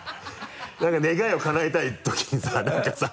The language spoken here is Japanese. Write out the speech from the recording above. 何か願いをかなえたいときにさ